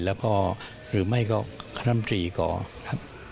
แล้วก็หรือไม่ก็คณะมตรีก่อครับ